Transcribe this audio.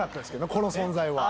この存在は。